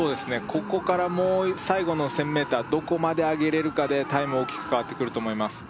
ここからもう最後の１０００ｍどこまで上げれるかでタイム大きく変わってくると思います